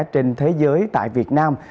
trên thế giới tại việt nam